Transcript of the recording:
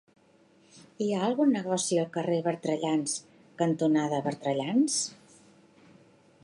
Hi ha algun negoci al carrer Bertrellans cantonada Bertrellans?